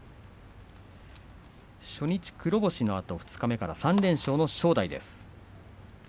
初日黒星のあと二日目以降３連勝の正代です。